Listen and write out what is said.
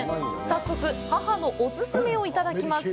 早速、母のお勧めをいただきます。